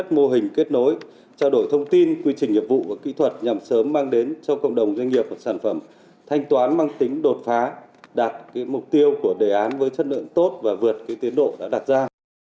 các mô hình kết nối trao đổi thông tin quy trình nghiệp vụ và kỹ thuật nhằm sớm mang đến cho cộng đồng doanh nghiệp sản phẩm thanh toán mang tính đột phá đạt mục tiêu của đề án với chất lượng tốt và vượt tiến độ đã đạt ra